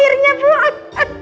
ah airnya buang